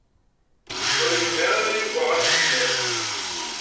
Ur yezmir ara Yuba ad t-id-yaf.